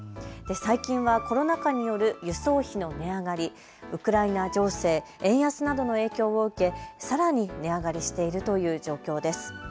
最近はコロナ禍による輸送費の値上がり、ウクライナ情勢、円安などの影響を受け、さらに値上がりしているという状況です。